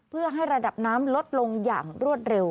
เพื่อให้ระดับน้ำลดลงอย่างรวดเร็ว